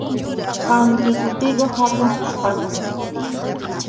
Kʼanti sutiyuq hatun puchkaqa.